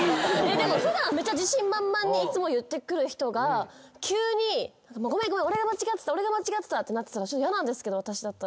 でも普段めちゃ自信満々にいつも言ってくる人が急に「ごめんごめん俺が間違ってた俺が間違ってた」ってなってたらちょっと嫌なんですけど私だったら。